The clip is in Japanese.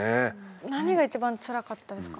何が一番つらかったですか？